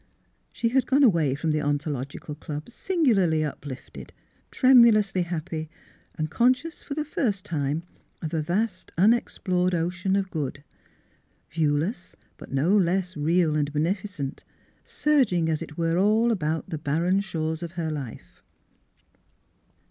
She had gone away from the Ontological Club singularly uplifted, tremulously happy, and con scious for the first time of a vast unexplored ocean of good; viewless, but no less real and beneficent — surging, as it were, all about the bar ren shores of her life.